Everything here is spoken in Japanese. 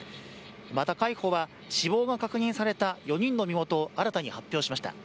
また、海保は死亡が確認された４人の身元を新たに発表しました。